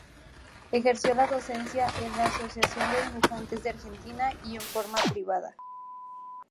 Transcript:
Ejerció la docencia en la Asociación de Dibujantes de Argentina y en forma privada.